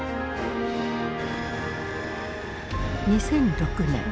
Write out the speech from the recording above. ２００６年。